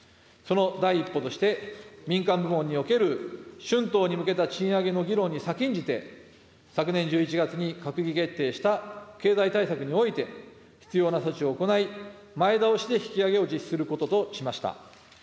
その第一歩として民間部門における春闘に向けた賃上げの議論に先んじて、昨年１１月に閣議決定した経済対策において、必要な措置を行い、前倒しで引き上げを実施することといたしました。